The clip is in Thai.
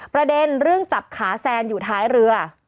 ประเด็นเรื่องจับขาแซนอยู่ท้ายเรือ